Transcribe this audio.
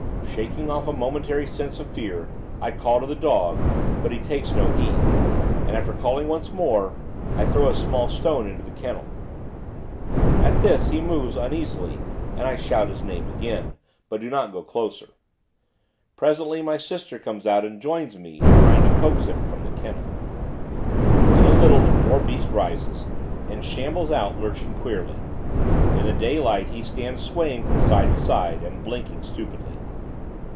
Shaking off a momentary sense of fear, I call to the dog; but he takes no heed, and, after calling once more, I throw a small stone into the kennel. At this, he moves, uneasily, and I shout his name, again; but do not go closer. Presently, my sister comes out, and joins me, in trying to coax him from the kennel. In a little the poor beast rises, and shambles out lurching queerly. In the daylight he stands swaying from side to side, and blinking stupidly.